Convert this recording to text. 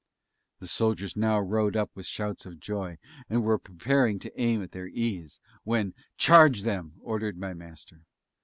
The soldiers now rode up with shouts of joy, and were preparing to aim at their ease, when "Charge them!" ordered my Master.